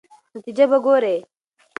نتیجه به ګورئ.